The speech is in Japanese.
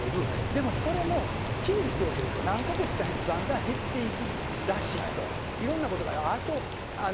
でもそれも期日を経ると、何か月かへると、だんだん減っていくらしいと、いろんなこと。